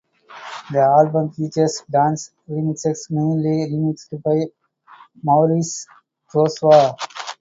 The album features dance remixes mainly remixed by Maurice Joshua.